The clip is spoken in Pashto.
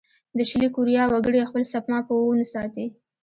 د شلي کوریا وګړي خپله سپما په وون ساتي.